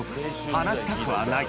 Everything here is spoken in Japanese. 「離したくはない」